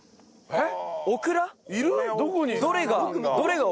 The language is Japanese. えっ？